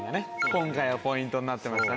今回はポイントになってましたね。